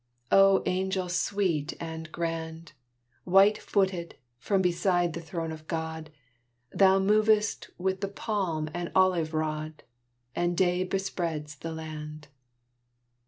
O angel sweet and grand! White footed, from beside the throne of God, Thou movest, with the palm and olive rod, And day bespreads the land!